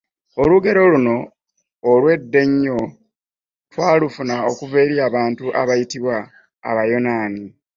Olugero luno olw'edda ennyo twalu funa okuva eri abantu abayitibwa Abayonaani.